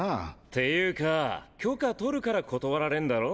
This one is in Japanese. ていうかぁ許可とるから断られんだろ？